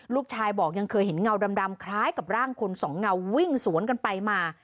ลูกชายบอกยังเคยเห็นเงาดำคล้ายกับร่างคนสองเงาวิ่งสวนกันไปมา